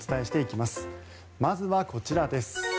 まずはこちらです。